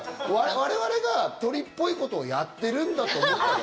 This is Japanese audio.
我々が鳥っぽいことをやってるんだということ。